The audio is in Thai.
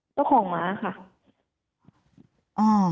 เจ้าของม้าค่ะ